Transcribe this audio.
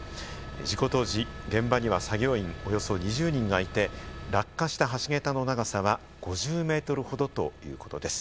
事故当時現場には作業員およそ２０人がいて、落下した橋げたの長さは５０ｍほどということです。